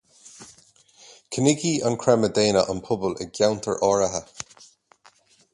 Cniogfaidh an creimeadh daonna an pobal i gceantair áirithe